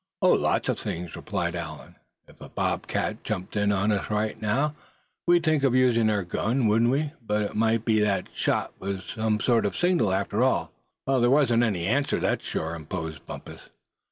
"Oh! lots of things," replied Allan. "If a bobcat jumped in on us right now, we'd think of using our gun, wouldn't we? But it might be that shot was some sort of signal, after all." "There wasn't any answer, that's sure," interposed Bumpus.